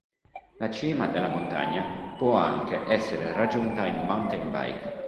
La cima della montagna può anche essere raggiunta in mountain bike.